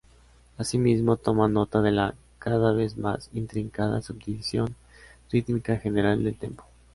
Asimismo, toma nota de la cada vez más intrincada subdivisión rítmica general del "tempo".